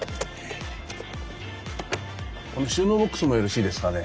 この収納ボックスもよろしいですかね？